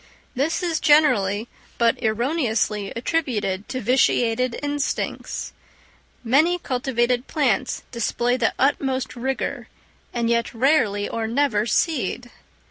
This is generally, but erroneously attributed to vitiated instincts. Many cultivated plants display the utmost vigour, and yet rarely or never seed!